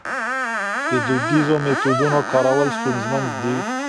د دودیزو میتودونو کارول ستونزمن دي.